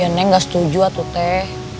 ya neng gak setuju atuh teh